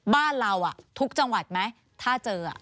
บ้านเราทุกจังหวัดไหมถ้าเจอ